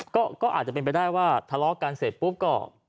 ก็อาจจะเป็นไปได้ว่าทะเลาะกันเสร็จปุ๊บก็